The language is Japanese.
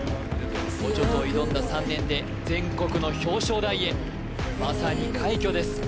オチョと挑んだ３年で全国の表彰台ヘまさに快挙です